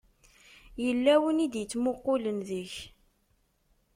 Yella win i d-ittmuqqulen deg-k.